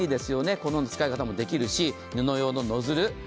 このような使い方もできるし、布用のノズル。